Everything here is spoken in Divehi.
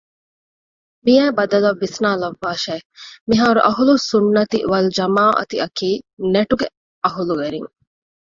މިއައި ބަދަލަށް ވިސްނަވާލައްވާށެވެ! މިހާރު އަހުލުއްސުންނަތި ވަލްޖަމާޢަތިއަކީ ނެޓްގެ އަހުލުވެރިން